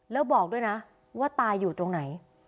แล้วบอกด้วยนะว่าตายอยู่ตรงไหน